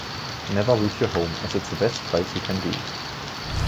Never leave your home, as it’s the best place you can be.